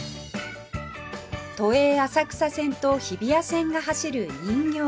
都営浅草線と日比谷線が走る人形町